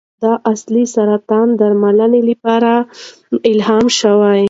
دا اصل د سرطان درملنې لپاره الهام شو.